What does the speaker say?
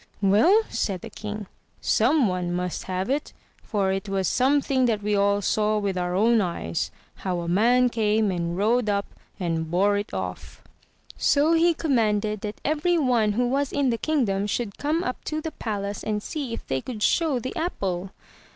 "Well/' said the king, *'some one must have it, for it was something that we all saw with our own eyes, how a man came and rode up and bore it off/* So he commanded that every one who was in the kingdom should come up to the palace and see if they could show the apple.